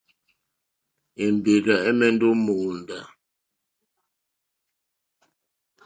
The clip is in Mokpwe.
Èmbèrzà ɛ̀mɛ́ndɛ́ ó mòóndá.